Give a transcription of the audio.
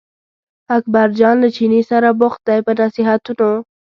اکبرجان له چیني سره بوخت دی په نصیحتونو.